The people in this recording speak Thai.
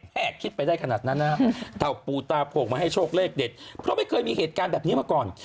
คิดไปได้ขนาดนั้นนะครับเท่าปูตาโผกมาให้โชคเลขเด็ดเพราะไม่เคยมีเหตุการณ์แบบนี้มาก่อน